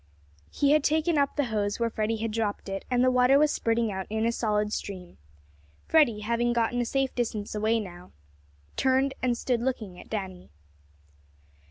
He had taken up the hose where Freddie had dropped it, and the water was spurting out in a solid stream. Freddie, having gotten a safe distance away, now turned and stood looking at Danny.